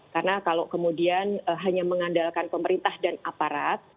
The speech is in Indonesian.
karena kalau kemudian hanya mengandalkan pemerintah dan aparat